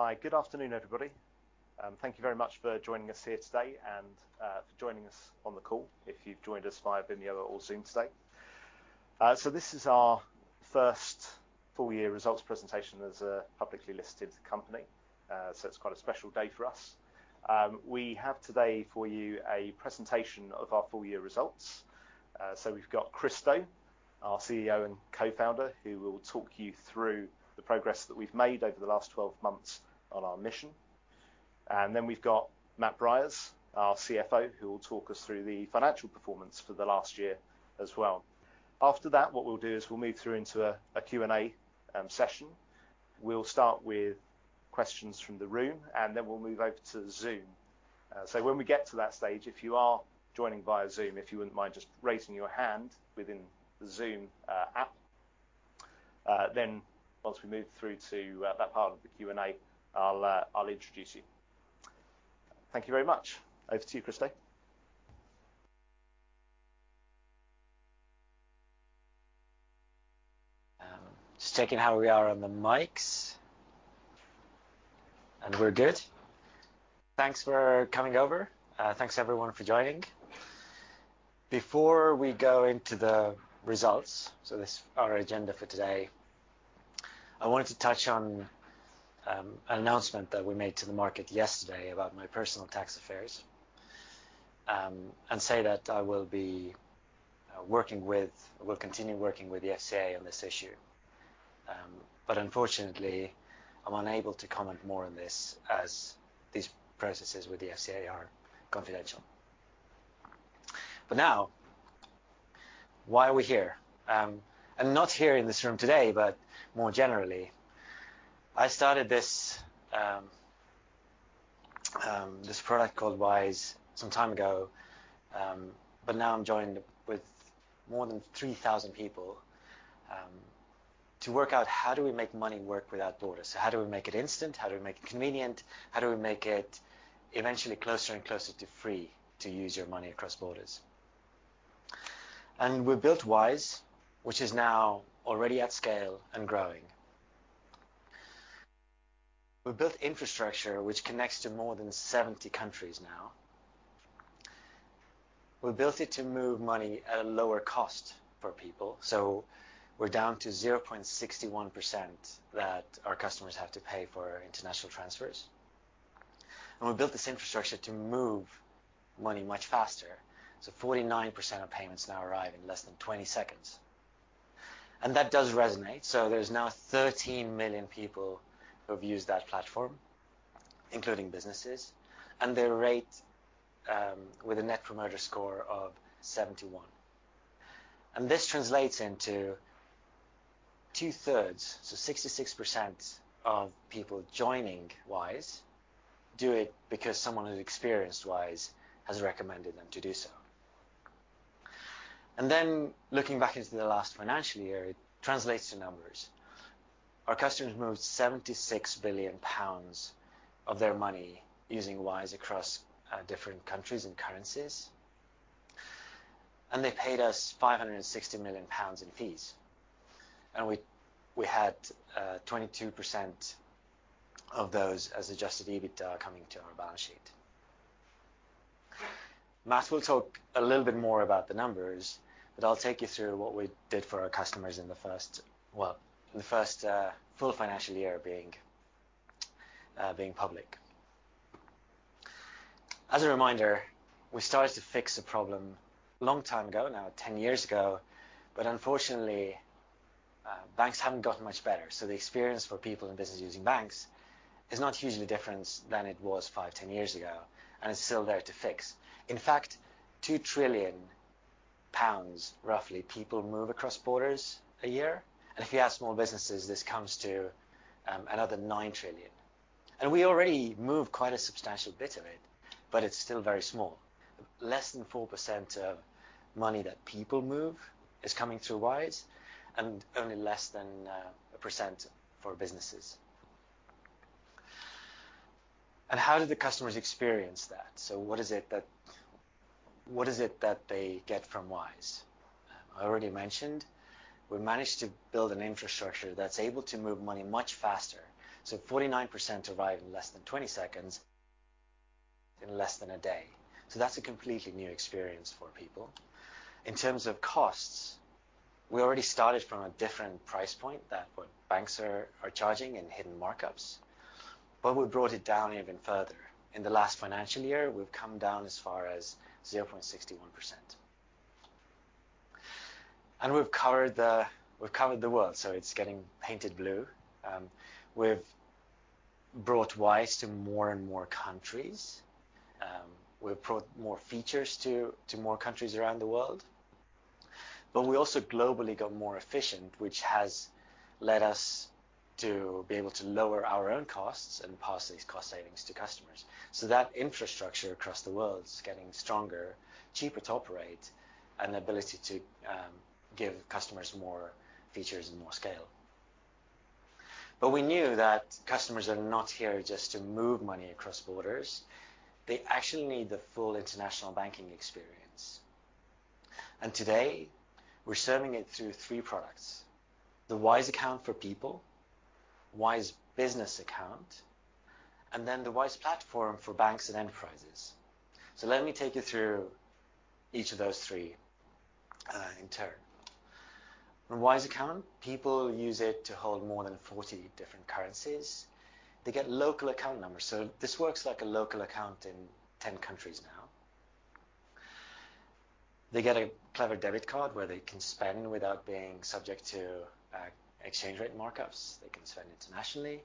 Hi. Good afternoon, everybody. Thank you very much for joining us here today and for joining us on the call if you've joined us via Vimeo or Zoom today. This is our first full year results presentation as a publicly listed company. It's quite a special day for us. We have today for you a presentation of our full year results. We've got Kristo, our CEO and co-founder, who will talk you through the progress that we've made over the last 12 months on our mission. We've got Matt Briers, our CFO, who will talk us through the financial performance for the last year as well. After that, what we'll do is we'll move through into a Q&A session. We'll start with questions from the room, and then we'll move over to Zoom. When we get to that stage, if you are joining via Zoom, if you wouldn't mind just raising your hand within the Zoom app, then once we move through to that part of the Q&A, I'll introduce you. Thank you very much. Over to you, Kristo. Just checking how we are on the mics. We're good. Thanks for coming over. Thanks everyone for joining. Before we go into the results, this is our agenda for today. I wanted to touch on an announcement that we made to the market yesterday about my personal tax affairs, and say that I will be working with the FCA on this issue. Unfortunately, I'm unable to comment more on this as these processes with the FCA are confidential. Now, why are we here? Not here in this room today, but more generally. I started this product called Wise some time ago, but now I'm joined with more than 3,000 people to work out how do we make money work without borders. How do we make it instant? How do we make it convenient? How do we make it eventually closer and closer to free to use your money across borders? We built Wise, which is now already at scale and growing. We built infrastructure which connects to more than 70 countries now. We built it to move money at a lower cost for people, so we're down to 0.61% that our customers have to pay for international transfers. We built this infrastructure to move money much faster, so 49% of payments now arrive in less than 20 seconds. That does resonate, so there's now 13 million people who've used that platform, including businesses, and they rate with a Net Promoter Score of 71. This translates into 2/3, so 66% of people joining Wise do it because someone who's experienced Wise has recommended them to do so. Looking back into the last financial year, it translates to numbers. Our customers moved 76 billion pounds of their money using Wise across different countries and currencies. They paid us 560 million pounds in fees. We had 22% of those as Adjusted EBITDA coming to our balance sheet. Matt will talk a little bit more about the numbers, but I'll take you through what we did for our customers in the first full financial year being public. As a reminder, we started to fix a problem long time ago now, 10 years ago. Unfortunately, banks haven't gotten much better, so the experience for people and business using banks is not hugely different than it was five, 10 years ago, and it's still there to fix. In fact, 2 trillion pounds, roughly, people move across borders a year. If you add small businesses, this comes to another 9 trillion. We already move quite a substantial bit of it, but it's still very small. Less than 4% of money that people move is coming through Wise, and only less than 1% for businesses. How do the customers experience that? What is it that they get from Wise? I already mentioned we managed to build an infrastructure that's able to move money much faster. 49% arrive in less than 20 seconds, in less than a day. That's a completely new experience for people. In terms of costs, we already started from a different price point than what banks are charging in hidden markups, but we brought it down even further. In the last financial year, we've come down as far as 0.61%. We've covered the world, so it's getting painted blue. We've brought Wise to more and more countries. We've brought more features to more countries around the world. We also globally got more efficient, which has led us to be able to lower our own costs and pass these cost savings to customers. That infrastructure across the world is getting stronger, cheaper to operate, and the ability to give customers more features and more scale. We knew that customers are not here just to move money across borders. They actually need the full international banking experience. Today, we're serving it through three products, the Wise Account for people, Wise Business, and the Wise Platform for banks and enterprises. Let me take you through each of those three, in turn. The Wise Account, people use it to hold more than 40 different currencies. They get local account numbers, so this works like a local account in 10 countries now. They get a clever debit card where they can spend without being subject to exchange rate markups. They can spend internationally,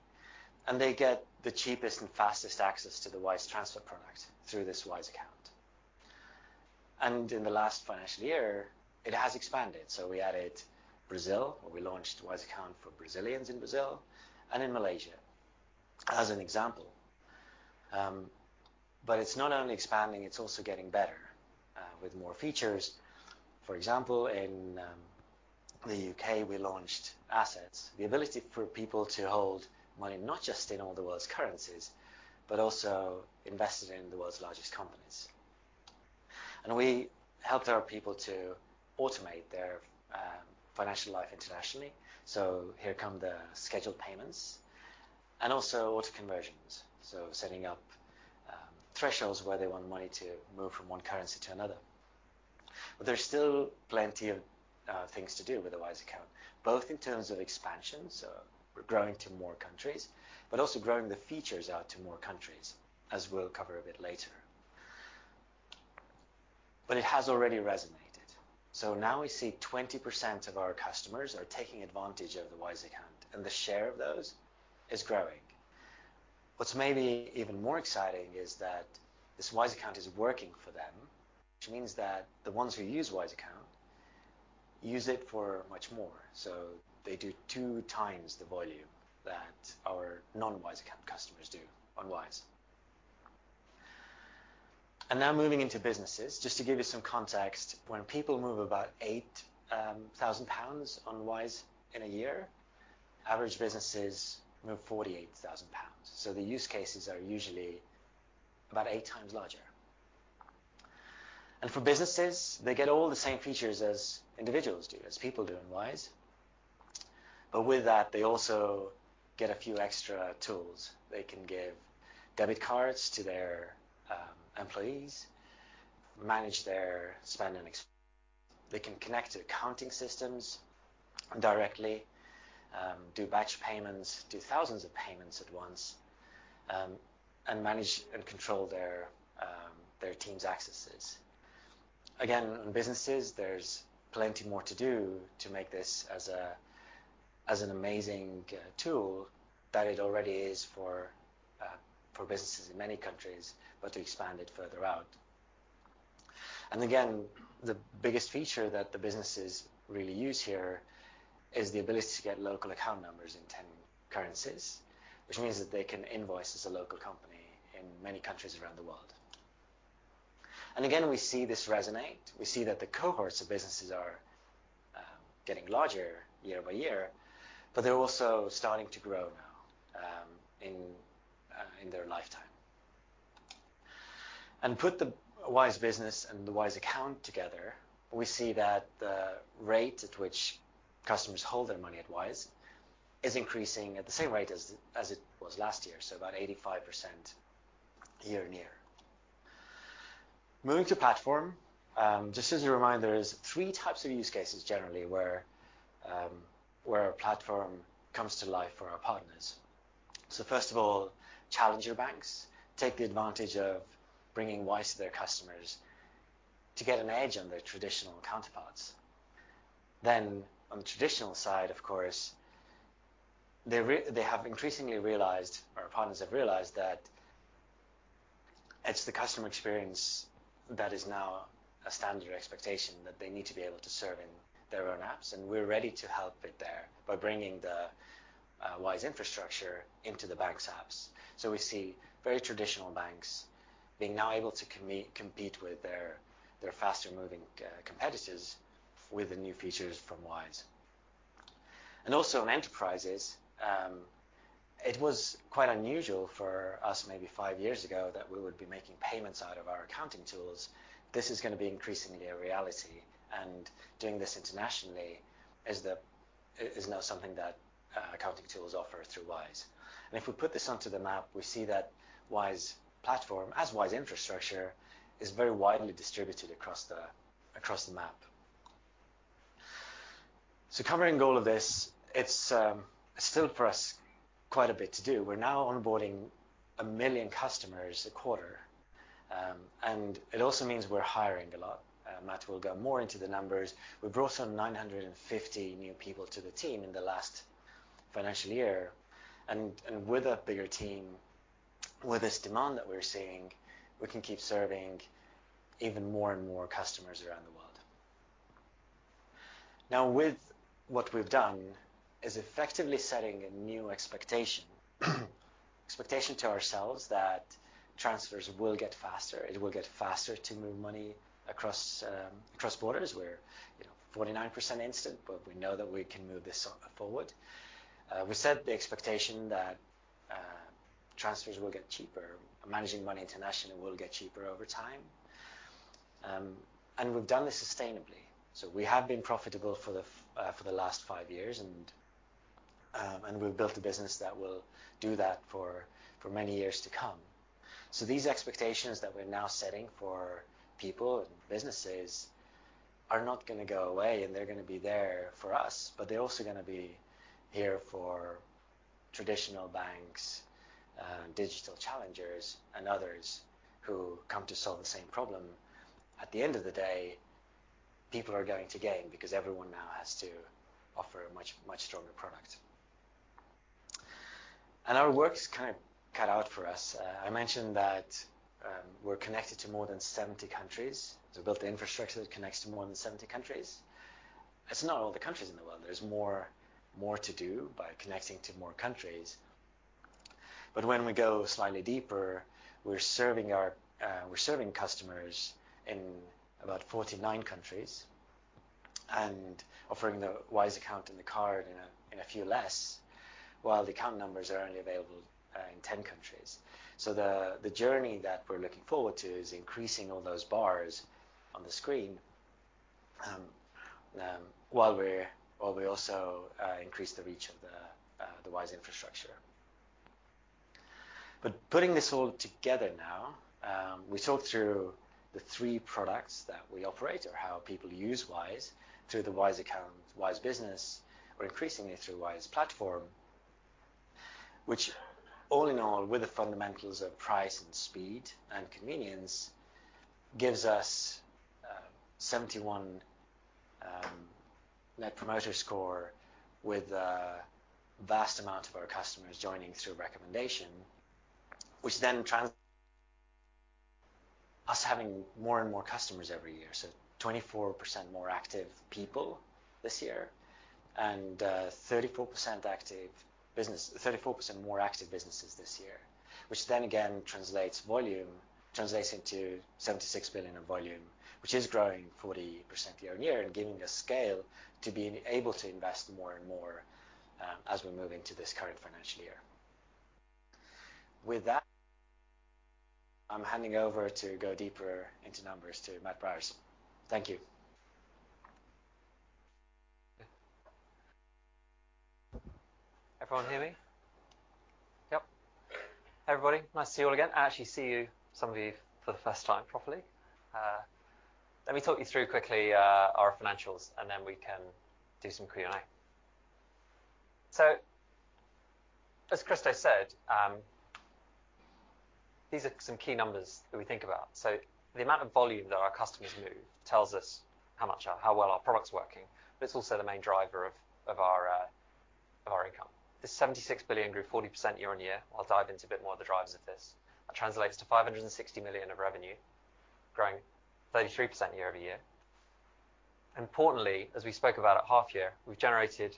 and they get the cheapest and fastest access to the Wise transfer product through this Wise Account. In the last financial year, it has expanded. We added Brazil, where we launched Wise Account for Brazilians in Brazil and in Malaysia, as an example. But it's not only expanding, it's also getting better, with more features. For example, in the U.K., we launched Assets. The ability for people to hold money, not just in all the world's currencies, but also invested in the world's largest companies. We helped our people to automate their financial life internationally. Here come the scheduled payments and also auto conversions, so setting up thresholds where they want money to move from one currency to another. There's still plenty of things to do with a Wise Account, both in terms of expansion, so we're growing to more countries, but also growing the features out to more countries, as we'll cover a bit later. It has already resonated. Now we see 20% of our customers are taking advantage of the Wise Account, and the share of those is growing. What's maybe even more exciting is that this Wise Account is working for them, which means that the ones who use Wise Account use it for much more. They do 2x the volume that our non-Wise Account customers do on Wise. Now moving into businesses. Just to give you some context, when people move about 8,000 pounds on Wise in a year, average businesses move 48,000 pounds. The use cases are usually about 8x larger. For businesses, they get all the same features as individuals do, as people do on Wise. With that, they also get a few extra tools. They can give debit cards to their employees, manage their spend and ex. They can connect to accounting systems directly, do batch payments, do thousands of payments at once, and manage and control their team's accesses. Again, on businesses, there's plenty more to do to make this as an amazing tool that it already is for businesses in many countries, but to expand it further out. Again, the biggest feature that the businesses really use here is the ability to get local account numbers in 10 currencies, which means that they can invoice as a local company in many countries around the world. Again, we see this resonate. We see that the cohorts of businesses are getting larger year by year, but they're also starting to grow now in their lifetime. Put the Wise Business and the Wise Account together, we see that the rate at which customers hold their money at Wise is increasing at the same rate as it was last year, so about 85% year-on-year. Moving to platform. Just as a reminder, there's three types of use cases generally where our platform comes to life for our partners. First of all, challenger banks take the advantage of bringing Wise to their customers to get an edge on their traditional counterparts. On the traditional side, of course, they have increasingly realized, or partners have realized that it's the customer experience that is now a standard expectation that they need to be able to serve in their own apps, and we're ready to help it there by bringing the Wise infrastructure into the bank's apps. We see very traditional banks being now able to compete with their faster-moving competitors with the new features from Wise. Also on enterprises, it was quite unusual for us maybe five years ago that we would be making payments out of our accounting tools. This is gonna be increasingly a reality, and doing this internationally is now something that accounting tools offer through Wise. If we put this onto the map, we see that Wise Platform, as Wise infrastructure, is very widely distributed across the map. Covering all of this, it's still for us quite a bit to do. We're now onboarding a million customers a quarter, and it also means we're hiring a lot. Matt will go more into the numbers. We brought on 950 new people to the team in the last financial year. With a bigger team, with this demand that we're seeing, we can keep serving even more and more customers around the world. Now, with what we've done is effectively setting a new expectation to ourselves that transfers will get faster. It will get faster to move money across borders where 49% instant, but we know that we can move this forward. We set the expectation that transfers will get cheaper. Managing money internationally will get cheaper over time. We've done this sustainably. We have been profitable for the last five years and we've built a business that will do that for many years to come. These expectations that we're now setting for people and businesses are not gonna go away, and they're gonna be there for us, but they're also gonna be here for traditional banks, digital challengers and others who come to solve the same problem. At the end of the day, people are going to gain because everyone now has to offer a much, much stronger product. Our work is kind of cut out for us. I mentioned that, we're connected to more than 70 countries. We built the infrastructure that connects to more than 70 countries. That's not all the countries in the world. There's more to do by connecting to more countries. When we go slightly deeper, we're serving customers in about 49 countries and offering the Wise Account and the card in a few less, while the account numbers are only available in 10 countries. The journey that we're looking forward to is increasing all those bars on the screen, while we also increase the reach of the Wise infrastructure. Putting this all together now, we talked through the three products that we operate or how people use Wise through the Wise Account, Wise Business, or increasingly through Wise Platform. Which all in all, with the fundamentals of price and speed and convenience, gives us a 71 Net Promoter Score with a vast amount of our customers joining through a recommendation, which then translates to us having more and more customers every year. 24% more active people this year and 34% more active businesses this year, which then again translates to volume, translates into 76 billion in volume, which is growing 40% year-on-year and giving us scale to be able to invest more and more as we move into this current financial year. With that, I'm handing over to go deeper into numbers to Matt Briers. Thank you. Everyone hear me? Yep. Everybody, nice to see you all again. I actually see you, some of you for the first time properly. Let me talk you through quickly our financials, and then we can do some Q&A. As Kristo said, these are some key numbers that we think about. The amount of volume that our customers move tells us how well our product's working, but it's also the main driver of our income. This 76 billion grew 40% year-over-year. I'll dive into a bit more of the drivers of this. That translates to 560 million of revenue, growing 33% year-over-year. Importantly, as we spoke about at half year, we've generated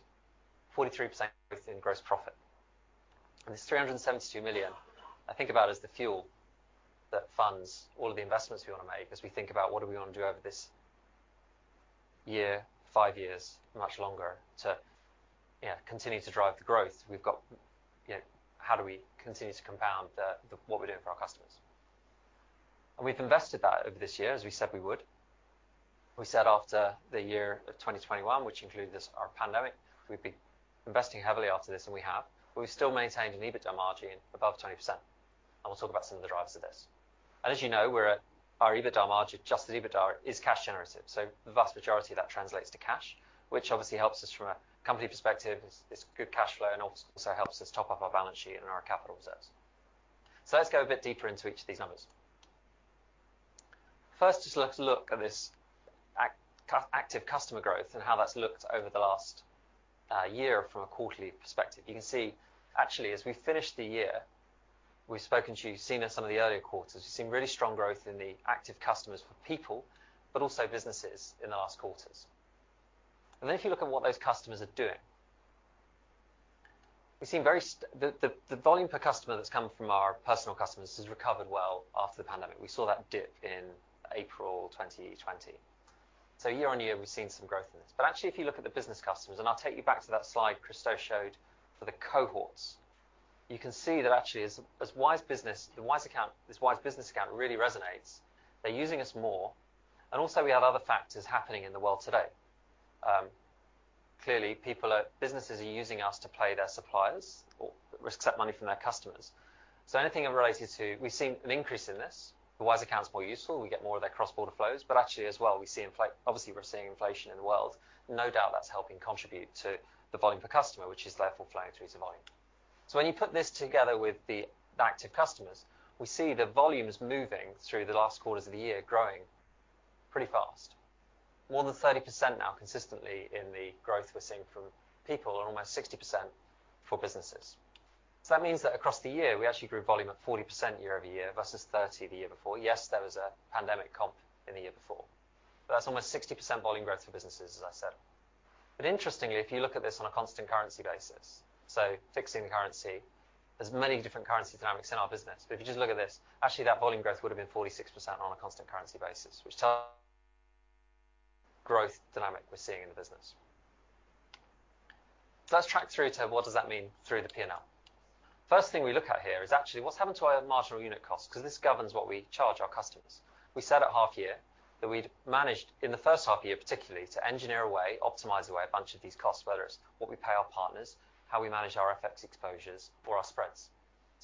43% growth in gross profit. This 372 million, I think of it as the fuel that funds all of the investments we want to make as we think about what do we want to do over this year, five years, much longer, continue to drive the growth. We've got, you know, how do we continue to compound what we're doing for our customers. We've invested that over this year, as we said we would. We said after the year of 2021, which included this, our pandemic, we'd be investing heavily after this, and we have. We still maintained an EBITDA margin above 20%, and we'll talk about some of the drivers of this. As you know, our adjusted EBITDA margin is cash generative, so the vast majority of that translates to cash, which obviously helps us from a company perspective. It's good cash flow and also helps us top up our balance sheet and our capital reserves. Let's go a bit deeper into each of these numbers. First, just let's look at this active customer growth and how that's looked over the last year from a quarterly perspective. You can see actually, as we finished the year, we've spoken to, you've seen in some of the earlier quarters, we've seen really strong growth in the active customers for people, but also businesses in the last quarters. Then if you look at what those customers are doing, we've seen very, the volume per customer that's come from our personal customers has recovered well after the pandemic. We saw that dip in April 2020. Year on year, we've seen some growth in this. Actually, if you look at the business customers, and I'll take you back to that slide Kristo showed for the cohorts, you can see that actually as Wise Business, the Wise Account, this Wise Business account really resonates. They're using us more. Also we have other factors happening in the world today. Clearly people are, businesses are using us to pay their suppliers or accept money from their customers. Anything that relates to, we've seen an increase in this. The Wise Account is more useful. We get more of their cross-border flows. Actually as well, we see obviously, we're seeing inflation in the world. No doubt that's helping contribute to the volume per customer, which is therefore flowing through to volume. When you put this together with the active customers, we see the volume is moving through the last quarters of the year, growing pretty fast. More than 30% now consistently in the growth we're seeing from people and almost 60% for businesses. That means that across the year, we actually grew volume at 40% year-over-year versus 30% the year before. Yes, there was a pandemic comp in the year before, that's almost 60% volume growth for businesses as I said. Interestingly, if you look at this on a constant currency basis, so fixing the currency, there's many different currency dynamics in our business. If you just look at this, actually that volume growth would have been 46% on a constant currency basis, which tells growth dynamic we're seeing in the business. Let's track through to what does that mean through the P&L. First thing we look at here is actually what's happened to our marginal unit cost because this governs what we charge our customers. We said at half year that we'd managed in the first half year, particularly to engineer a way, optimize a way, a bunch of these costs, whether it's what we pay our partners, how we manage our FX exposures or our spreads.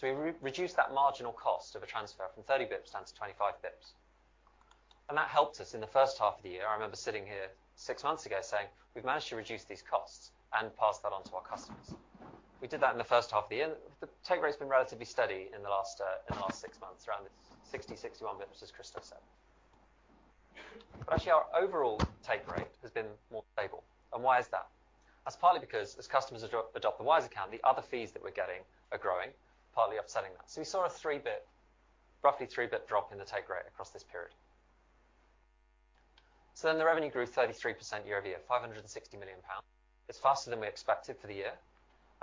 We re-reduced that marginal cost of a transfer from 30 basis points down to 25 basis points. That helped us in the first half of the year. I remember sitting here six months ago saying, "We've managed to reduce these costs and pass that on to our customers." We did that in the first half of the year. The take rate's been relatively steady in the last six months, around the 61 basis points, as Kristo said. Actually our overall take rate has been more stable. Why is that? That's partly because as customers adopt the Wise account, the other fees that we're getting are growing, partly offsetting that. You saw a roughly 3 basis point drop in the take rate across this period. The revenue grew 33% year-over-year, 560 million pounds. It's faster than we expected for the year,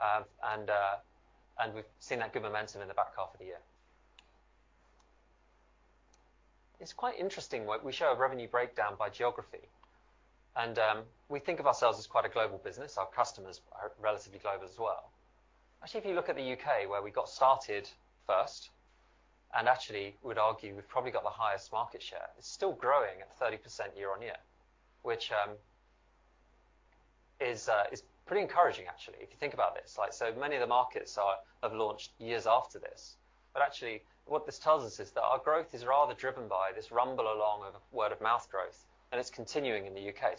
and we've seen that good momentum in the back half of the year. It's quite interesting when we show a revenue breakdown by geography, and we think of ourselves as quite a global business. Our customers are relatively global as well. Actually, if you look at the U.K. where we got started first and actually would argue we've probably got the highest market share, it's still growing at 30% year-over-year, which is pretty encouraging actually, if you think about this. Like, so many of the markets have launched years after this, but actually what this tells us is that our growth is rather driven by this rumble along of word-of-mouth growth, and it's continuing in the U.K..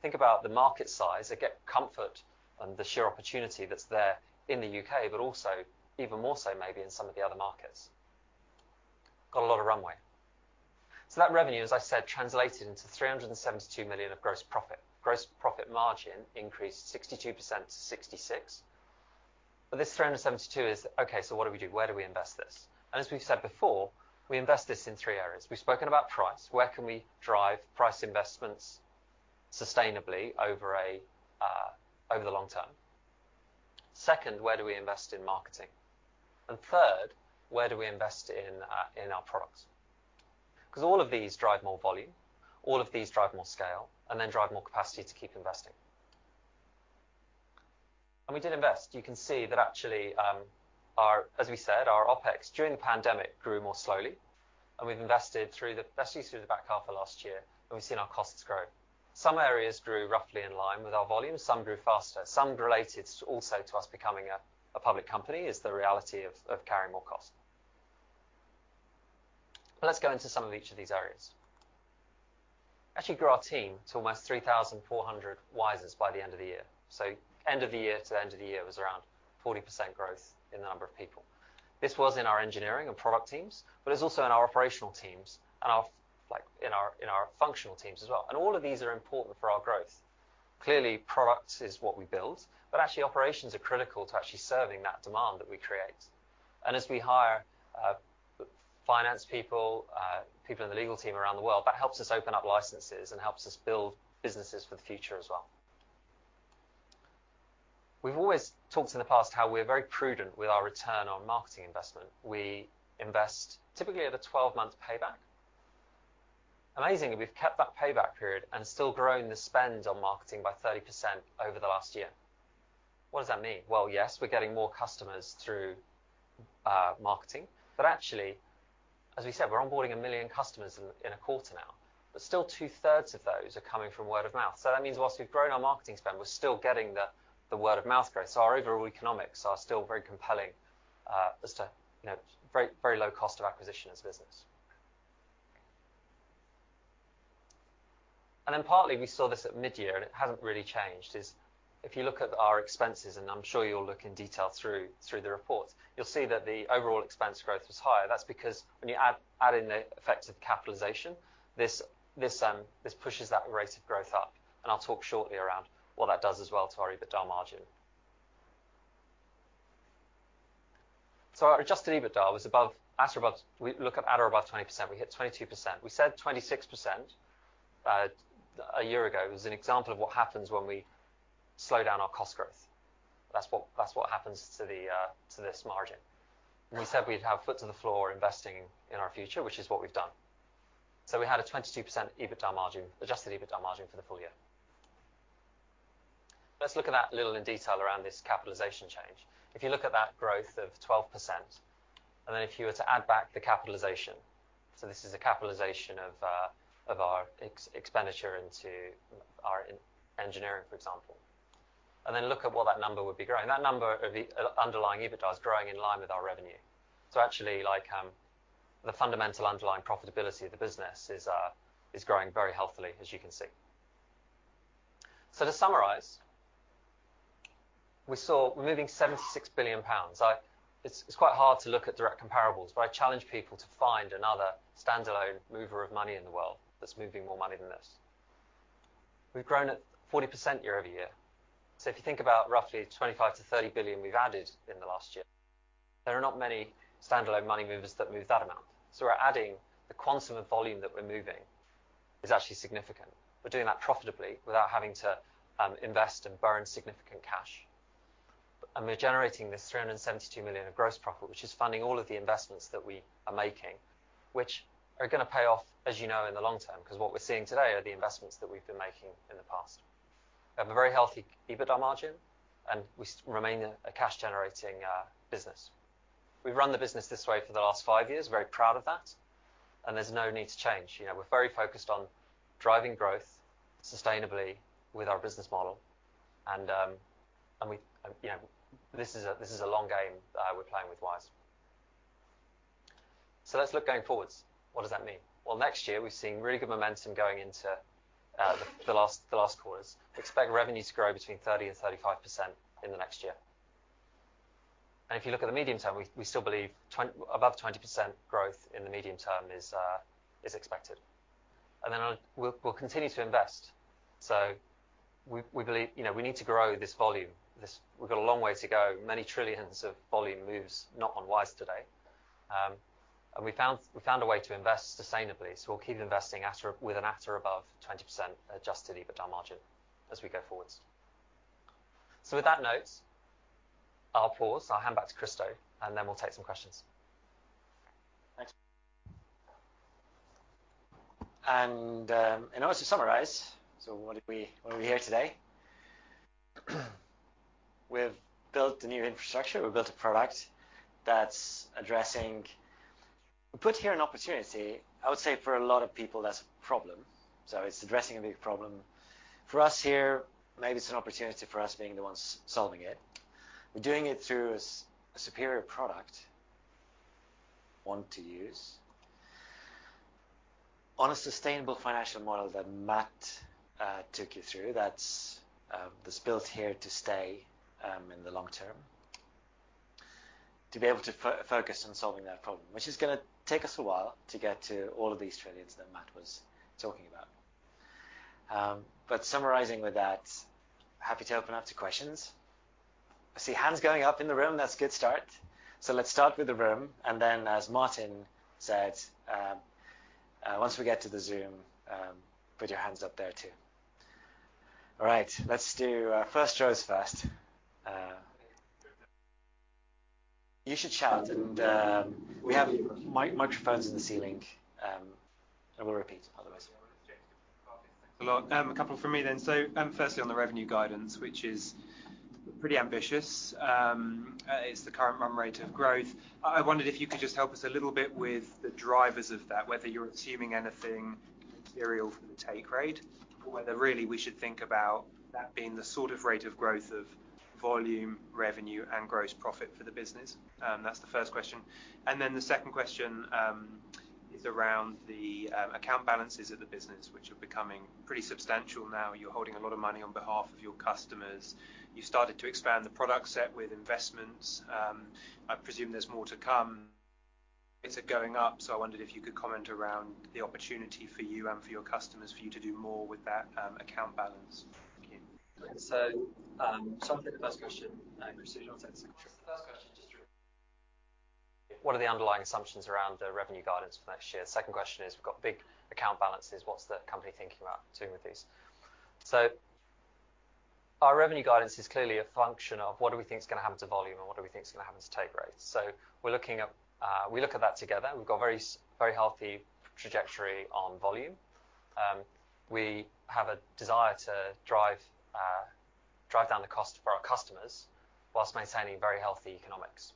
Think about the market size and get comfort on the sheer opportunity that's there in the U.K., but also even more so maybe in some of the other markets. Got a lot of runway. That revenue, as I said, translated into 372 million of gross profit. Gross profit margin increased 62% to 66%. This 372 million is, okay, so what do we do? Where do we invest this? As we've said before, we invest this in three areas. We've spoken about price. Where can we drive price investments sustainably over the long term? Second, where do we invest in marketing? Third, where do we invest in our products? 'Cause all of these drive more volume, all of these drive more scale, and then drive more capacity to keep investing. We did invest. You can see that actually, our, as we said, our OpEx during the pandemic grew more slowly. We've invested through, especially through the back half of last year, and we've seen our costs grow. Some areas grew roughly in line with our volumes, some grew faster, some related also to us becoming a public company, is the reality of carrying more cost. Let's go into some of each of these areas. Actually grew our team to almost 3,400 Wisers by the end of the year. So end of the year to the end of the year was around 40% growth in the number of people. This was in our engineering and product teams, but it's also in our operational teams and our, like, in our functional teams as well. All of these are important for our growth. Clearly, products is what we build, but actually operations are critical to actually serving that demand that we create. As we hire finance people in the legal team around the world, that helps us open up licenses and helps us build businesses for the future as well. We've always talked in the past how we're very prudent with our return on marketing investment. We invest typically at a 12-month payback. Amazingly, we've kept that payback period and still grown the spend on marketing by 30% over the last year. What does that mean? Well, yes, we're getting more customers through marketing, but actually, as we said, we're onboarding a million customers in a quarter now. But still 2/3 of those are coming from word of mouth. That means whilst we've grown our marketing spend, we're still getting the word-of-mouth growth. Our overall economics are still very compelling as to very low cost of acquisition as a business. Then partly we saw this at mid-year, and it hasn't really changed. If you look at our expenses, and I'm sure you'll look in detail through the reports, you'll see that the overall expense growth was higher. That's because when you add in the effects of capitalization, this pushes that rate of growth up, and I'll talk shortly around what that does as well to our Adjusted EBITDA margin. Our adjusted EBITDA was at or above 20%. We look at at or above 20%. We hit 22%. We said 26% a year ago. It was an example of what happens when we slow down our cost growth. That's what happens to this margin. We said we'd have foot to the floor investing in our future, which is what we've done. We had a 22% adjusted EBITDA margin for the full year. Let's look at that a little in detail around this capitalization change. If you look at that growth of 12%, and then if you were to add back the capitalization, this is a capitalization of our expenditure into our engineering, for example. Then look at what that number would be growing. That number of the underlying EBITDA is growing in line with our revenue. Actually like, the fundamental underlying profitability of the business is growing very healthily, as you can see. To summarize, we saw we're moving 76 billion pounds. It's quite hard to look at direct comparables, but I challenge people to find another standalone mover of money in the world that's moving more money than this. We've grown at 40% year-over-year. If you think about roughly 25 billion-30 billion we've added in the last year. There are not many standalone money movers that move that amount. We're adding the quantum of volume that we're moving is actually significant. We're doing that profitably without having to invest and burn significant cash. We're generating this 372 million of gross profit, which is funding all of the investments that we are making, which are gonna pay off as you know, in the long term. 'Cause what we're seeing today are the investments that we've been making in the past. We have a very healthy EBITDA margin, and we remain a cash-generating business. We've run the business this way for the last five years, very proud of that, and there's no need to change. You know, we're very focused on driving growth sustainably with our business model and we you know this is a long game that we're playing with Wise. Let's look going forwards. What does that mean? Well, next year we've seen really good momentum going into the last quarters. We expect revenue to grow between 30%-35% in the next year. If you look at the medium term, we still believe above 20% growth in the medium term is expected. We'll continue to invest. We believe, you know, we need to grow this volume. We've got a long way to go. Many trillions of volume moves not on Wise today. We found a way to invest sustainably, so we'll keep investing with an at or above 20% Adjusted EBITDA margin as we go forward. With that note, I'll pause, I'll hand back to Kristo, and then we'll take some questions. Thanks. In order to summarize, what are we here today? We've built a new infrastructure, we've built a product that's addressing. We put here an opportunity. I would say for a lot of people, that's a problem. It's addressing a big problem. For us here, maybe it's an opportunity for us being the ones solving it. We're doing it through a superior product, one to use, on a sustainable financial model that Matt took you through. That's built here to stay, in the long term, to be able to focus on solving that problem, which is gonna take us a while to get to all of these trillions that Matt was talking about. Summarizing with that, happy to open up to questions. I see hands going up in the room. That's a good start. Let's start with the room, and then as Martin said, once we get to the Zoom, put your hands up there too. All right, let's do first rows first. You should shout, and we have microphones in the ceiling. I will repeat otherwise. A lot. A couple from me then. Firstly on the revenue guidance, which is pretty ambitious, is the current run rate of growth. I wondered if you could just help us a little bit with the drivers of that, whether you're assuming anything material from the take rate, or whether really we should think about that being the sort of rate of growth of volume, revenue, and gross profit for the business. That's the first question. Then the second question is around the account balances of the business, which are becoming pretty substantial now. You're holding a lot of money on behalf of your customers. You've started to expand the product set with investments. I presume there's more to come. It's going up, so I wondered if you could comment around the opportunity for you and for your customers for you to do more with that, account balance. Thank you. Summary of the first question, and proceed on to the second. The first question. What are the underlying assumptions around the revenue guidance for next year? The second question is, we've got big account balances. What's the company thinking about doing with these? Our revenue guidance is clearly a function of what do we think is gonna happen to volume and what do we think is gonna happen to take rates. We're looking at, we look at that together. We've got very healthy trajectory on volume. We have a desire to drive down the cost for our customers whilst maintaining very healthy economics.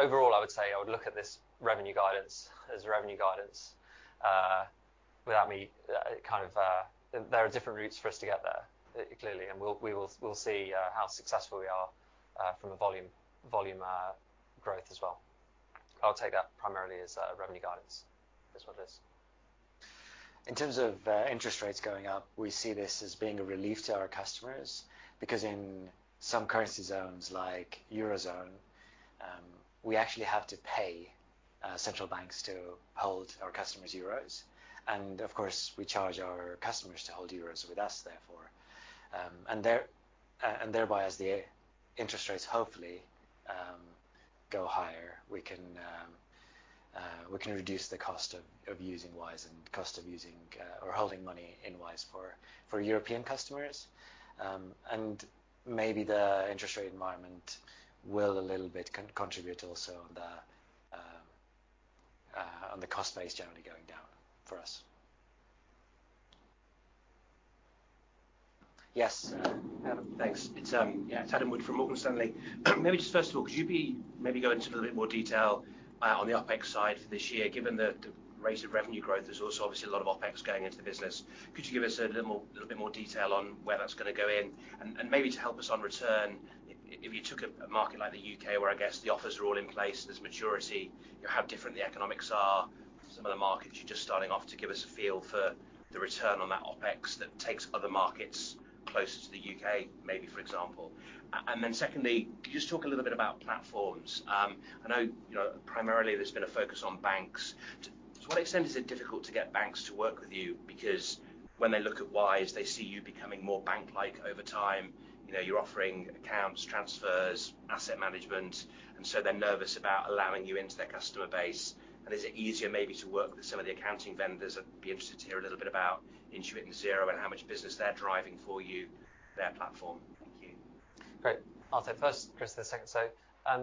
Overall, I would say I would look at this revenue guidance as revenue guidance, without me kind of. There are different routes for us to get there, clearly, and we'll see how successful we are from a volume growth as well. I would take that primarily as revenue guidance. That's what it is. In terms of interest rates going up, we see this as being a relief to our customers because in some currency zones like Eurozone, we actually have to pay central banks to hold our customers' euros, and of course, we charge our customers to hold euros with us therefore. Thereby, as the interest rates hopefully go higher, we can reduce the cost of using Wise and cost of using or holding money in Wise for European customers. Maybe the interest rate environment will a little bit contribute also on the cost base generally going down for us. Yes. Thanks. It's Adam Wood from Morgan Stanley. Maybe just first of all, could you maybe go into a little bit more detail on the OpEx side for this year? Given the rate of revenue growth, there's also obviously a lot of OpEx going into the business. Could you give us a little bit more detail on where that's gonna go in? Maybe to help us on return, if you took a market like the U.K. where I guess the offers are all in place, there's maturity, you know, how different the economics are. Some of the markets you're just starting off to give us a feel for the return on that OpEx that takes other markets closer to the U.K., maybe, for example. Then secondly, could you just talk a little bit about platforms? I know, you know, primarily there's been a focus on banks. To what extent is it difficult to get banks to work with you? Because when they look at Wise, they see you becoming more bank-like over time. You know, you're offering accounts, transfers, asset management, and so they're nervous about allowing you into their customer base. Is it easier maybe to work with some of the accounting vendors? I'd be interested to hear a little bit about Intuit and Xero and how much business they're driving for you, their platform. Thank you. Great. I'll take the first, Chris the second.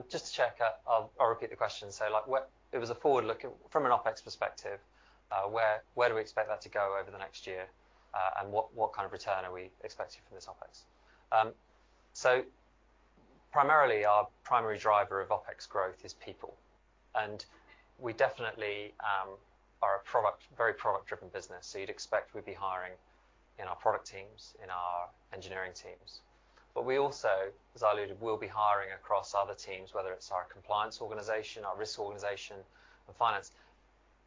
Just to check, I'll repeat the question. Like what. It was a forward-looking from an OpEx perspective, where do we expect that to go over the next year, and what kind of return are we expecting from this OpEx? Primarily our primary driver of OpEx growth is people. We definitely are a very product-driven business. You'd expect we'd be hiring in our product teams, in our engineering teams. We also, as I alluded, will be hiring across other teams, whether it's our compliance organization, our risk organization, and finance.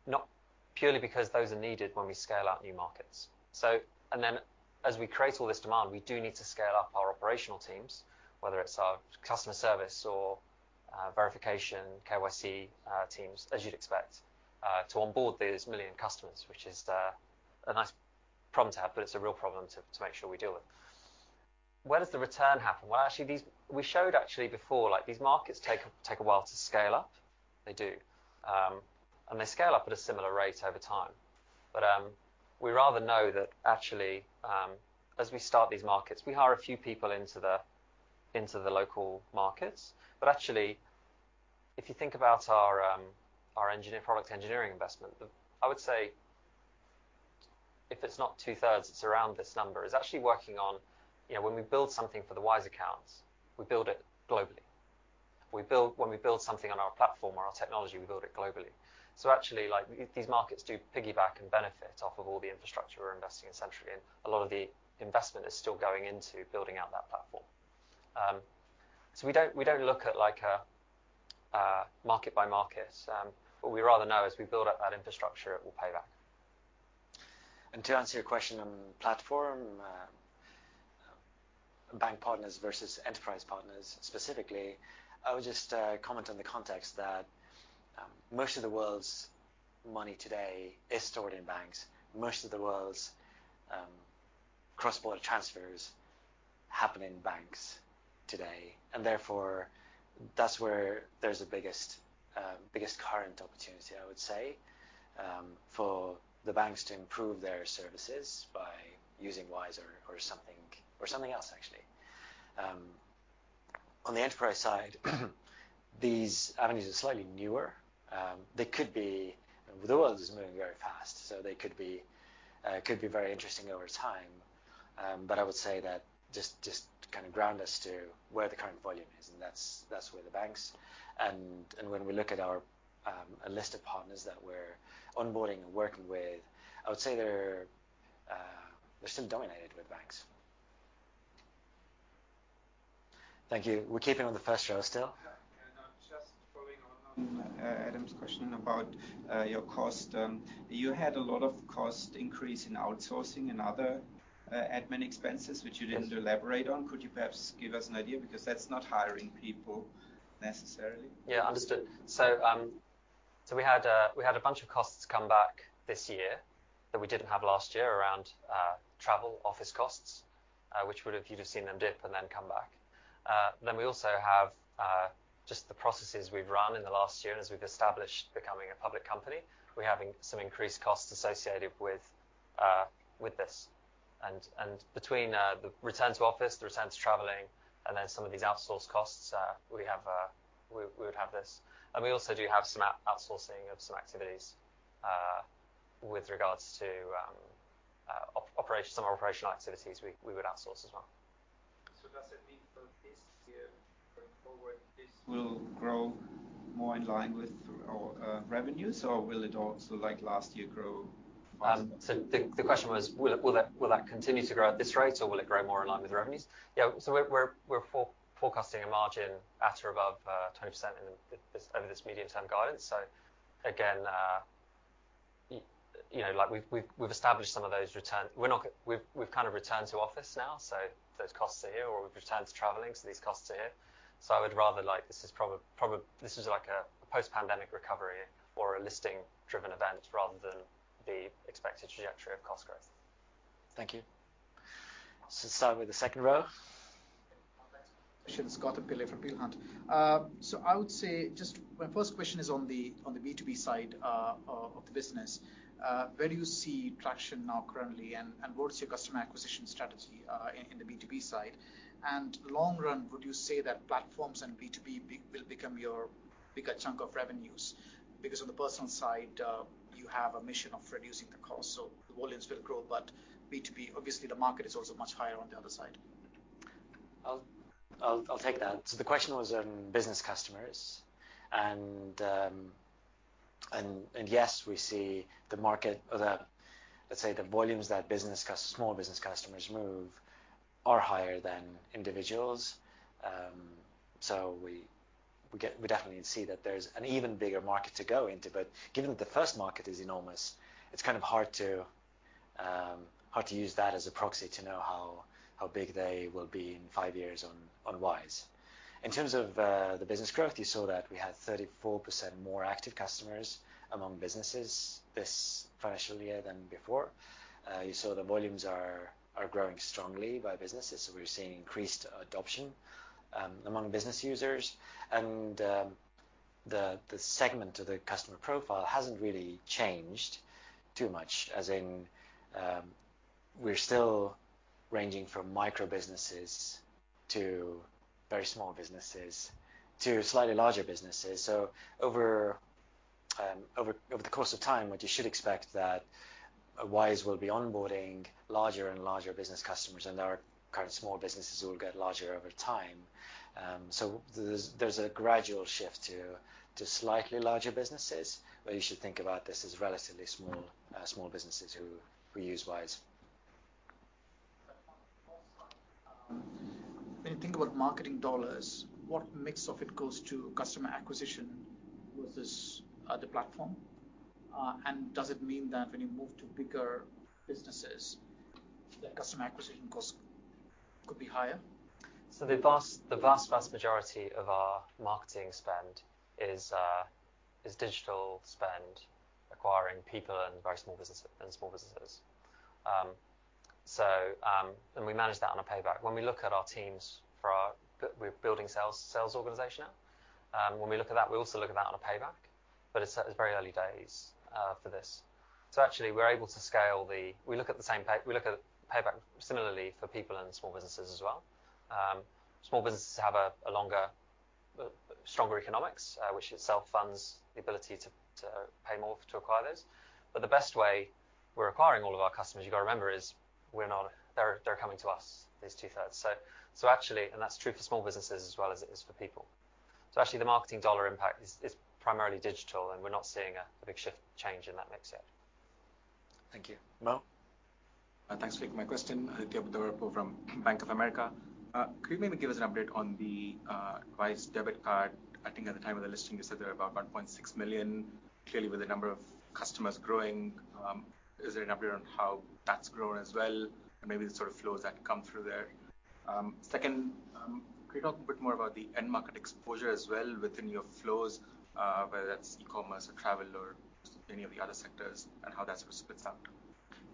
Not purely because those are needed when we scale out new markets. Then as we create all this demand, we do need to scale up our operational teams, whether it's our customer service or verification, KYC, teams as you'd expect to onboard these a million customers, which is a nice problem to have, but it's a real problem to make sure we deal with. Where does the return happen? We showed before, like these markets take a while to scale up. They do. They scale up at a similar rate over time. We rather know that actually as we start these markets, we hire a few people into the local markets. Actually, if you think about our product engineering investment, I would say if it's not two-thirds, it's around this number, is actually working on. You know, when we build something for the Wise accounts, we build it globally. When we build something on our platform or our technology, we build it globally. Actually, like these markets do piggyback and benefit off of all the infrastructure we're investing in centrally, and a lot of the investment is still going into building out that platform. We don't look at like a market by market. What we rather know is we build up that infrastructure, it will pay back. To answer your question on platform, bank partners versus enterprise partners specifically, I would just comment on the context that most of the world's money today is stored in banks. Most of the world's cross-border transfers happen in banks today, and therefore that's where there's the biggest current opportunity, I would say, for the banks to improve their services by using Wise or something else actually. On the enterprise side, these avenues are slightly newer. They could be. The world is moving very fast, so they could be very interesting over time. But I would say that just to kind of ground us to where the current volume is, and that's where the banks. When we look at our a list of partners that we're onboarding and working with, I would say we're still dominated with banks. Thank you. We're keeping on the first row still. Yeah. Just following on Adam's question about your cost. You had a lot of cost increase in outsourcing and other admin expenses. Yes. Which you didn't elaborate on. Could you perhaps give us an idea? Because that's not hiring people necessarily. Yeah, understood. We had a bunch of costs come back this year that we didn't have last year around travel office costs, which you would have seen dip and then come back. Then we also have just the processes we've run in the last year, and as we've established becoming a public company, we're having some increased costs associated with this. Between the return to office, the return to traveling, and then some of these outsourced costs, we would have this. We also do have some outsourcing of some activities with regards to operation, some operational activities we would outsource as well. Does it mean for this year going forward, this will grow more in line with our revenues? Or will it also, like last year, grow faster? The question was, will that continue to grow at this rate or will it grow more in line with the revenues? Yeah. We're forecasting a margin at or above 20% over this medium-term guidance. Again, you know, like we've established some of those returns. We've kind of returned to office now, so those costs are here or we've returned to traveling, so these costs are here. This is like a post-pandemic recovery or a listing-driven event rather than the expected trajectory of cost growth. Thank you. Start with the second row. Thanks. [Scott Sheridan] from Peel Hunt. I would say just my first question is on the B2B side of the business. Where do you see traction now currently, and what is your customer acquisition strategy in the B2B side? Long run, would you say that platforms and B2B will become your bigger chunk of revenues? Because on the personal side, you have a mission of reducing the cost, so the volumes will grow. B2B, obviously the market is also much higher on the other side. I'll take that. The question was on business customers and yes, we see the market or the, let's say, the volumes that small business customers move are higher than individuals. We definitely see that there's an even bigger market to go into. Given that the first market is enormous, it's kind of hard to How to use that as a proxy to know how big they will be in five years on Wise. In terms of the business growth, you saw that we had 34% more active customers among businesses this financial year than before. You saw the volumes are growing strongly by businesses, so we're seeing increased adoption among business users. The segment of the customer profile hasn't really changed too much. As in, we're still ranging from micro businesses to very small businesses to slightly larger businesses. Over the course of time, what you should expect that Wise will be onboarding larger and larger business customers, and our current small businesses will get larger over time. There's a gradual shift to slightly larger businesses, but you should think about this as relatively small businesses who use Wise. On the cost side, when you think about marketing dollars, what mix of it goes to customer acquisition versus the platform? Does it mean that when you move to bigger businesses, the customer acquisition cost could be higher? The vast majority of our marketing spend is digital spend acquiring people and small businesses. We manage that on a payback. We're building sales organization now. When we look at that, we also look at that on a payback, but it's very early days for this. We look at payback similarly for people and small businesses as well. Small businesses have a longer, stronger economics, which itself funds the ability to pay more to acquire those. The best way we're acquiring all of our customers, you've got to remember, is they're coming to us, 2/3. Actually, that's true for small businesses as well as it is for people. Actually the marketing dollar impact is primarily digital, and we're not seeing a big shift change in that mix yet. Thank you. More? Thanks for taking my question. Aditya Buddhavarapu from Bank of America. Could you maybe give us an update on the Wise debit card? I think at the time of the listing, you said there were about 1.6 million. Clearly, with the number of customers growing, is there an update on how that's grown as well, and maybe the sort of flows that come through there? Second, could you talk a bit more about the end market exposure as well within your flows, whether that's e-commerce or travel or any of the other sectors, and how that sort of splits out?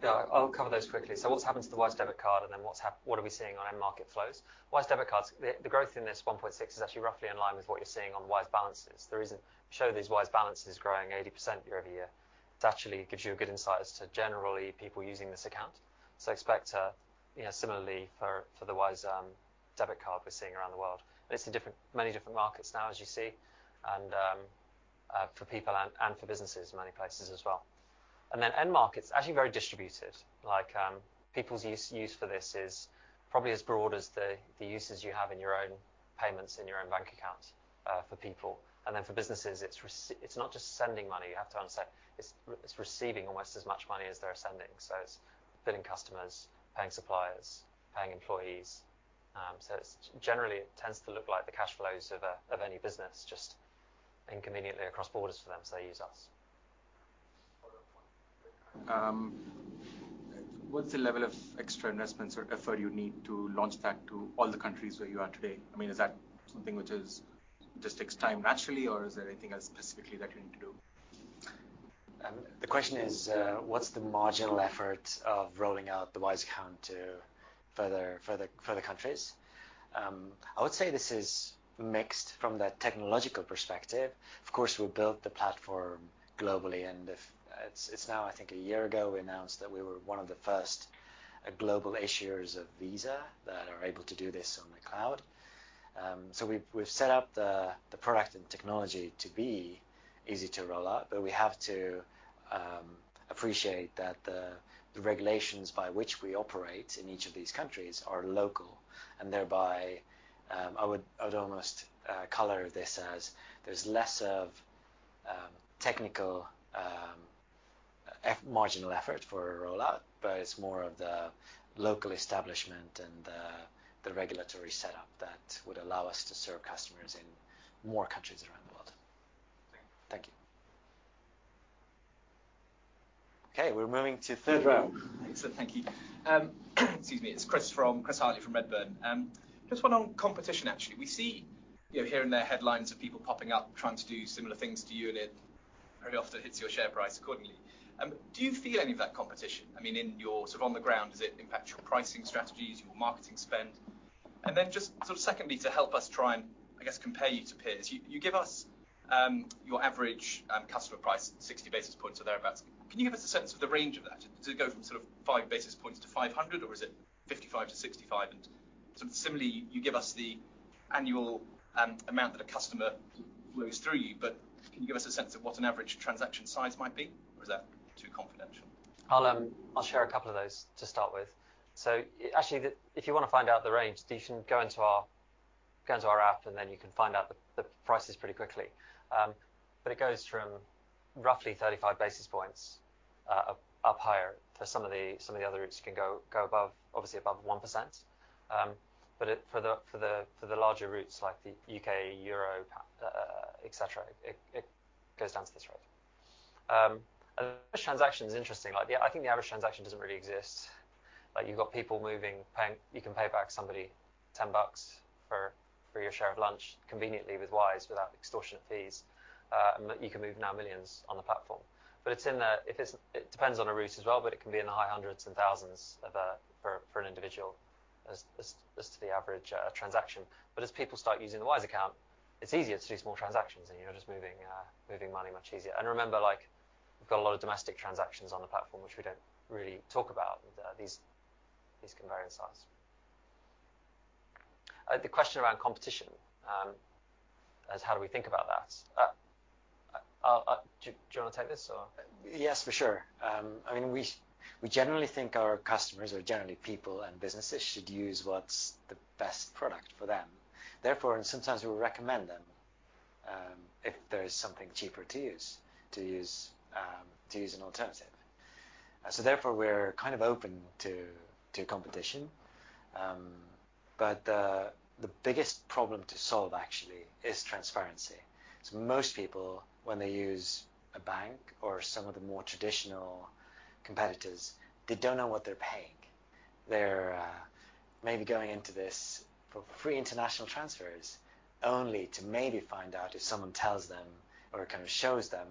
Yeah, I'll cover those quickly. What's happened to the Wise debit card and then what are we seeing on end market flows. Wise debit cards, the growth in this 1.6 million is actually roughly in line with what you're seeing on Wise balances. The reason we show these Wise balances growing 80% year-over-year, it actually gives you a good insight as to generally people using this account. Expect a, you know, similarly for the Wise debit card we're seeing around the world. It's in many different markets now, as you see, and for people and for businesses in many places as well. Then end markets, actually very distributed. Like, people's use for this is probably as broad as the uses you have in your own payments in your own bank account, for people. For businesses, it's not just sending money. You have to understand it's receiving almost as much money as they're sending. It's billing customers, paying suppliers, paying employees. It's generally tends to look like the cash flows of any business, just inconveniently across borders for them, so they use us. Follow-up one. What's the level of extra investments or effort you need to launch that to all the countries where you are today? I mean, is that something which is, just takes time naturally, or is there anything else specifically that you need to do? The question is, what's the marginal effort of rolling out the Wise Account to further countries? I would say this is mixed from the technological perspective. Of course, we built the platform globally. It's now, I think a year ago, we announced that we were one of the first global issuers of Visa that are able to do this on the cloud. So we've set up the product and technology to be easy to roll out, but we have to appreciate that the regulations by which we operate in each of these countries are local. Thereby, I would almost color this as there's less of technical marginal effort for a rollout, but it's more of the local establishment and the regulatory setup that would allow us to serve customers in more countries around the world. Thank you. Thank you. Okay, we're moving to third row. Excellent. Thank you. Excuse me. It's Chris Hartley from Redburn. Just one on competition, actually. We see, you know, here and there headlines of people popping up trying to do similar things to you, and it very often hits your share price accordingly. Do you feel any of that competition? I mean, in your sort of on the ground, does it impact your pricing strategies, your marketing spend? Then just sort of secondly, to help us try and, I guess, compare you to peers. You give us your average customer price 60 basis points or thereabouts. Can you give us a sense of the range of that? Does it go from sort of 5 basis points to 500, or is it 55 basis points to 65 basis points? Sort of similarly, you give us the annual amount that a customer flows through you, but can you give us a sense of what an average transaction size might be, or is that too confidential? I'll share a couple of those to start with. Actually, if you wanna find out the range, you can go into our app, and then you can find out the prices pretty quickly. It goes from roughly 35 basis points up higher. Some of the other routes can go above, obviously above 1%. For the larger routes, like the U.K., Euro, et cetera, it goes down to this low. Average transaction is interesting. I think the average transaction doesn't really exist. Like, you've got people moving, paying. You can pay back somebody GBP 10 for your share of lunch conveniently with Wise without extortionate fees. You can move millions on the platform. It depends on a route as well, but it can be in the high hundreds and thousands of GBP for an individual as to the average transaction. As people start using the Wise Account, it's easier to do small transactions and, you know, just moving money much easier. Remember, like we've got a lot of domestic transactions on the platform, which we don't really talk about with these comparison sites. The question around competition is how do we think about that? Do you wanna take this or? Yes, for sure. I mean, we generally think our customers or generally people and businesses should use what's the best product for them. Therefore, and sometimes we'll recommend them if there's something cheaper to use an alternative. Therefore, we're kind of open to competition. The biggest problem to solve actually is transparency. Most people, when they use a bank or some of the more traditional competitors, they don't know what they're paying. They're maybe going into this for free international transfers only to maybe find out if someone tells them or kind of shows them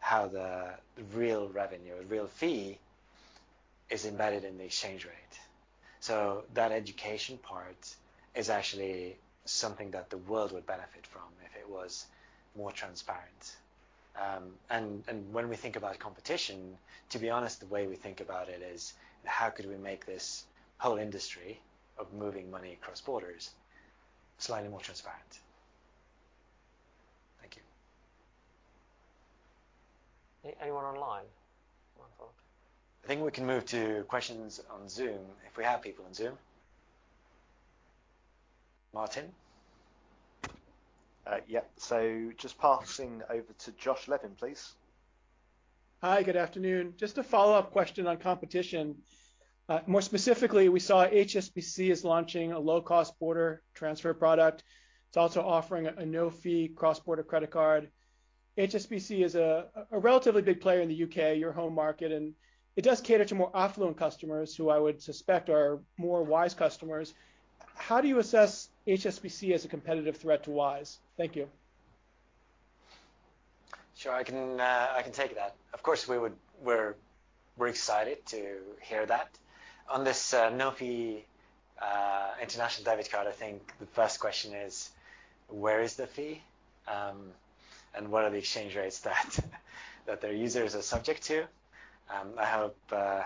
how the real revenue or real fee is embedded in the exchange rate. That education part is actually something that the world would benefit from if it was more transparent. When we think about competition, to be honest, the way we think about it is how could we make this whole industry of moving money across borders slightly more transparent? Thank you. Anyone online? Want to- I think we can move to questions on Zoom, if we have people on Zoom. Martin? Yeah. Just passing over to Josh Levin, please. Hi, good afternoon. Just a follow-up question on competition. More specifically, we saw HSBC is launching a low-cost cross-border transfer product. It's also offering a no-fee cross-border credit card. HSBC is a relatively big player in the U.K., your home market, and it does cater to more affluent customers who I would suspect are more Wise customers. How do you assess HSBC as a competitive threat to Wise? Thank you. Sure. I can take that. Of course, we're excited to hear that. On this no-fee international debit card, I think the first question is where is the fee, and what are the exchange rates that their users are subject to? I hope the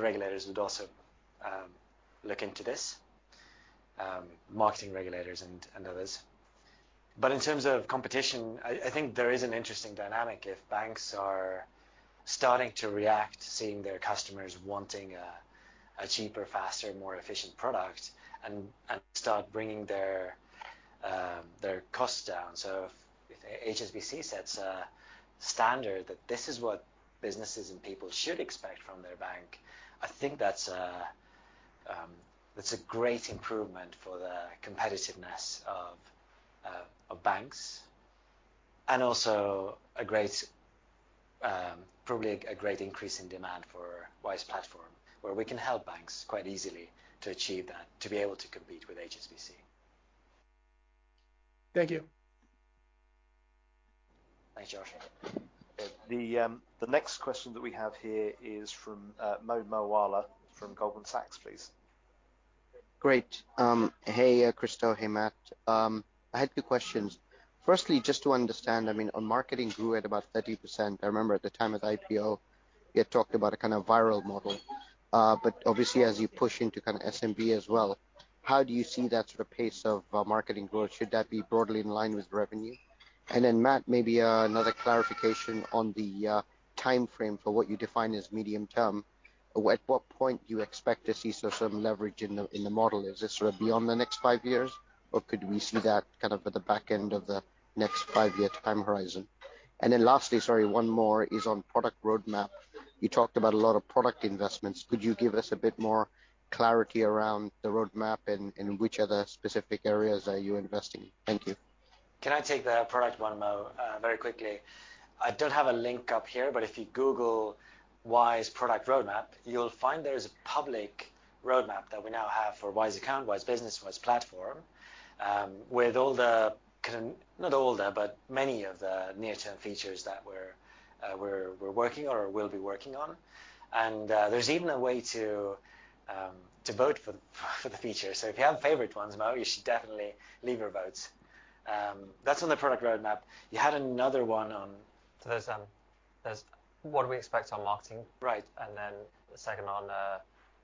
regulators would also look into this, marketing regulators and others. In terms of competition, I think there is an interesting dynamic if banks are starting to react to seeing their customers wanting a cheaper, faster, more efficient product and start bringing their costs down. If HSBC sets a standard that this is what businesses and people should expect from their bank, I think that's a great improvement for the competitiveness of banks, and also a great, probably a great increase in demand for Wise Platform, where we can help banks quite easily to achieve that, to be able to compete with HSBC. Thank you. Thanks, Josh. The next question that we have here is from Mo Moawalla from Goldman Sachs, please. Great. Hey, Kristo. Hey, Matt. I had two questions. Firstly, just to understand, I mean, on marketing grew at about 30%. I remember at the time of the IPO, you had talked about a kind of viral model. Obviously as you push into kind of SMB as well, how do you see that sort of pace of marketing growth? Should that be broadly in line with revenue? Matt, maybe another clarification on the timeframe for what you define as medium term. At what point do you expect to see sort of some leverage in the model? Is this sort of beyond the next five years, or could we see that kind of at the back end of the next five-year time horizon? Lastly, sorry, one more is on product roadmap. You talked about a lot of product investments. Could you give us a bit more clarity around the roadmap and which other specific areas are you investing in? Thank you. Can I take the product one, Mo, very quickly? I don't have a link up here, but if you Google Wise product roadmap, you'll find there is a public roadmap that we now have for Wise Account, Wise Business, Wise Platform, with not all the, but many of the near-term features that we're working or will be working on. There's even a way to vote for the features. So if you have favorite ones, Mo, you should definitely leave your votes. That's on the product roadmap. You had another one on What do we expect on marketing? Right The second one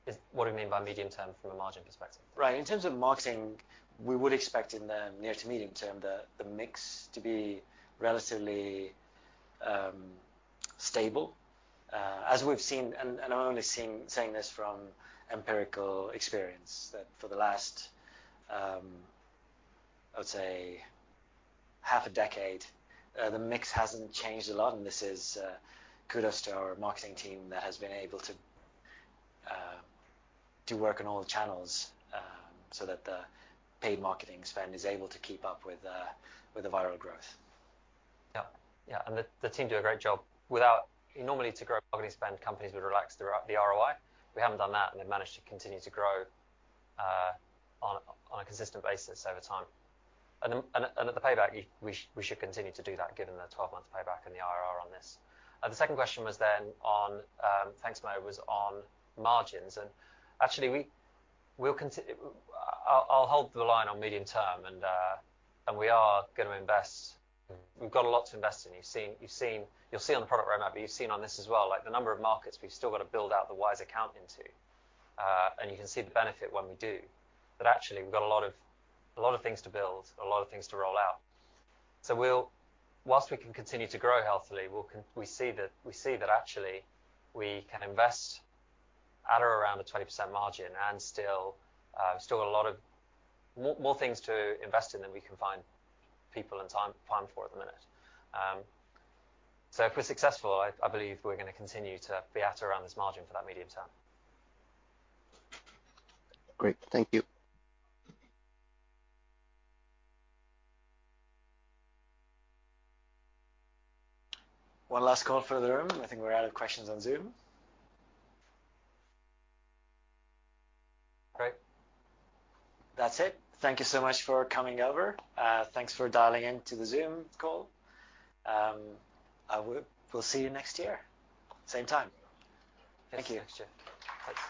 is what do we mean by medium term from a margin perspective? Right. In terms of marketing, we would expect in the near to medium term, the mix to be relatively stable. As we've seen, and I'm only saying this from empirical experience, that for the last, I would say half a decade, the mix hasn't changed a lot. This is kudos to our marketing team that has been able to do work on all the channels, so that the paid marketing spend is able to keep up with the viral growth. The team do a great job. Normally, to grow marketing spend, companies would relax the ROI. We haven't done that, and they've managed to continue to grow on a consistent basis over time. At the payback, we should continue to do that given the 12-month payback and the IRR on this. The second question was then on, thanks Mo, was on margins. Actually, I'll hold the line on medium term and we are gonna invest. We've got a lot to invest in. You've seen. You'll see on the product roadmap, but you've seen on this as well, like the number of markets we've still got to build out the Wise Account into. You can see the benefit when we do. Actually, we've got a lot of things to build, a lot of things to roll out. While we can continue to grow healthily, we see that actually we can invest at or around a 20% margin and still got a lot of more things to invest in than we can find people and time for at the minute. If we're successful, I believe we're gonna continue to be at or around this margin for that medium term. Great. Thank you. One last call for the room. I think we're out of questions on Zoom. Great. That's it. Thank you so much for coming over. Thanks for dialing in to the Zoom call. We'll see you next year. Same time. Thank you. Thanks.